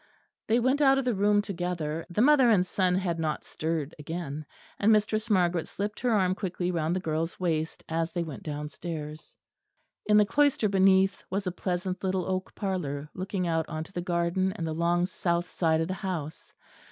They went out of the room together; the mother and son had not stirred again; and Mistress Margaret slipped her arm quickly round the girl's waist, as they went downstairs. In the cloister beneath was a pleasant little oak parlour looking out on to the garden and the long south side of the house.